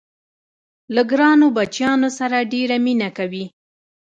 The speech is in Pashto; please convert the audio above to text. له ګرانو بچیانو سره ډېره مینه کوي.